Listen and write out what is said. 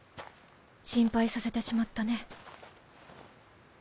心配させてしまったね。